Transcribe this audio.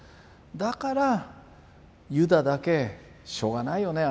だからユダだけしょうがないよね